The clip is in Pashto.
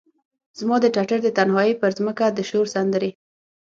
زما د ټټر د تنهایې پرمځکه د شور سندرې،